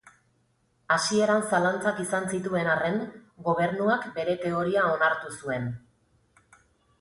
Hasieran zalantzak izan zituen arren, Gobernuak bere teoria onartu zuen.